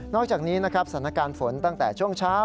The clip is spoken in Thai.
อกจากนี้นะครับสถานการณ์ฝนตั้งแต่ช่วงเช้า